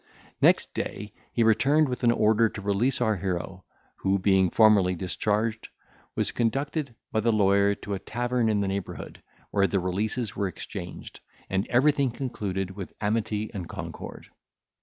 Next day, he returned with an order to release our hero, who, being formally discharged, was conducted by the lawyer to a tavern in the neighbourhood, where the releases were exchanged, and everything concluded with amity and concord.